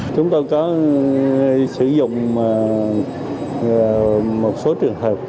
chúng tôi có sử dụng một số trường hợp